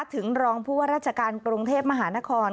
ถึงรองผู้ว่าราชการกรุงเทพมหานคร